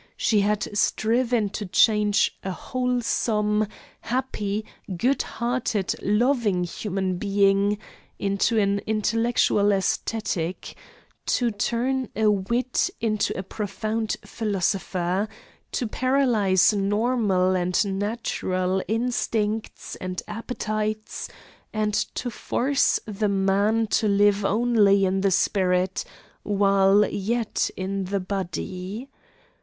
She had striven to change a wholesome, happy, good hearted, loving human being, into an intellectual æsthetic; to turn a wit into a profound philosopher; to paralyse normal and natural instincts and appetites, and to force the man to live only in the spirit, while yet in the body.